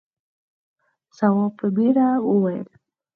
تواب په بېره وویل.